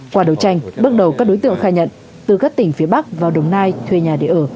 qua đấu tranh bước đầu các đối tượng khai nhận từ các tỉnh phía bắc vào đồng nai thuê nhà để ở